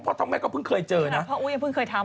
พ่ออู๋ยังเพิ่งเคยทำ